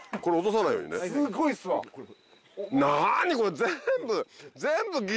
これ全部。